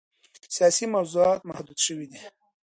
سیاسي موضوعات محدود شوي دي.